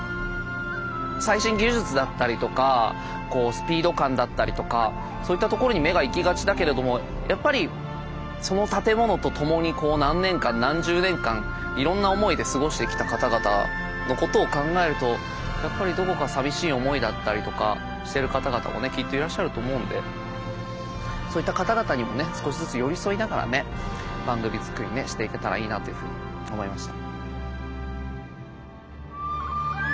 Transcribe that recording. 最新技術だったりとかこうスピード感だったりとかそういったところに目がいきがちだけれどもやっぱりその建物と共に何年間何十年間いろんな思いで過ごしてきた方々のことを考えるとやっぱりどこか寂しい思いだったりとかしてる方々もねきっといらっしゃると思うんでそういった方々にもね少しずつ寄り添いながらね番組作りしていけたらいいなというふうに思いました。